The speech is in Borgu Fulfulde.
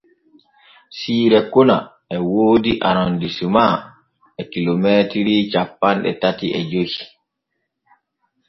Siire kona e woodi Arondisema e kilomeetiri cappanɗe tati e joy.